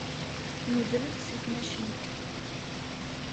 Nuder-d seg tmacint.